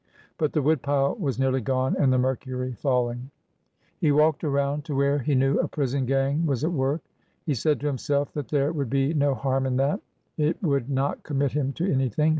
But— the woodpile was nearly gone, and the mercury falling ! He walked around to where he knew a prison gang was at work. He said to himself that there would be no harm in that. It would not commit him to anything.